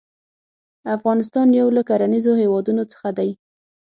افغانستان يو له کرنيزو هيوادونو څخه دى.